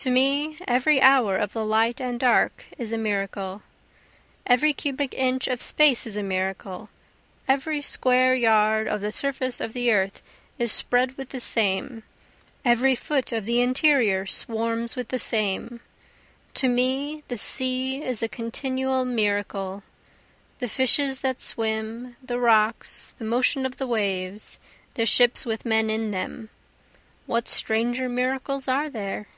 To me every hour of the light and dark is a miracle, Every cubic inch of space is a miracle, Every square yard of the surface of the earth is spread with the same, Every foot of the interior swarms with the same. To me the sea is a continual miracle, The fishes that swim the rocks the motion of the waves the ships with men in them, What stranger miracles are there?